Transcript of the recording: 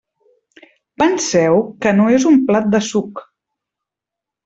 Penseu que no és un plat de suc.